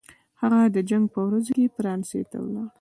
هغه د جنګ په ورځو کې فرانسې ته ولاړ.